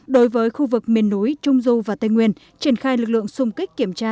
đối với khu vực miền núi trung du và tây nguyên triển khai lực lượng xung kích kiểm tra